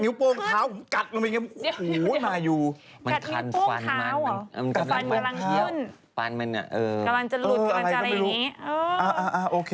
มันเป็นเหมือนลูกโท๊กโลกลูกอะไรนะเหมือนแบบลูก